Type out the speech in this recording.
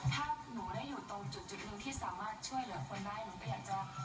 ถ้าหนูได้อยู่ตรงจุดหนึ่งที่สามารถช่วยเหลือคนได้